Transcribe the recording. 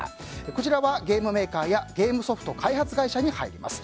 こちらはゲームメーカーやゲームソフト開発会社に入ります。